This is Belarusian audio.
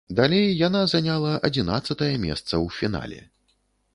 Далей яна заняла адзінаццатае месца ў фінале.